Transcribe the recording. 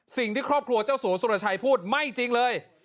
สิ่งที่ครอบครัวเจ้าสัวสุรชัยพูดไม่จริงเลย